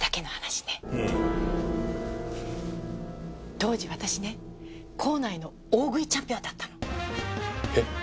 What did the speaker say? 当時私ね校内の大食いチャンピオンだったの。へっ？